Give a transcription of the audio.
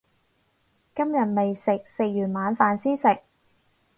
今日未食，食完晚飯先食